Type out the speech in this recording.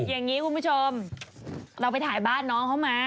อย่างนี้คุณผู้ชมเราไปถ่ายบ้านน้องเขามา